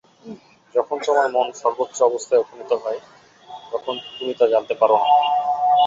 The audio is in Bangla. যখন তোমার মন সর্বোচ্চ অবস্থায় উপনীত হয়, তখন তুমি তা জানতে পার না।